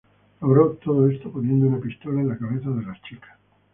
Logró todo esto poniendo una pistola en la cabeza de las chicas.